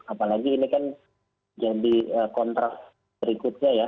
apalagi ini kan jadi kontrak berikutnya ya